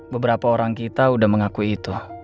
beberapa orang kita sudah mengakui itu